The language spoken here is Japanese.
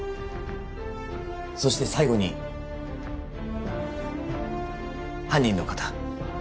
そして最後に犯人の方